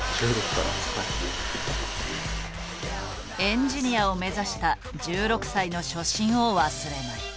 エンジニアを目指した１６歳の初心を忘れない。